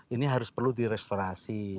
ini harus perlu di restorasi